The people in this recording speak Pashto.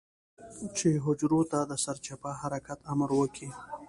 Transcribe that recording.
چې حجرو ته د سرچپه حرکت امر وکي.